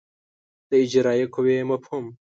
د اجرایه قوې مفهوم